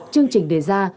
chương trình đề ra